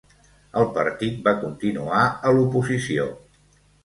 El partit va continuar a l'oposició.